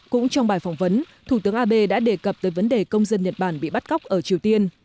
cũng trong bài phỏng vấn thủ tướng abe đã đề cập tới vấn đề công dân nhật bản bị bắt cóc ở triều tiên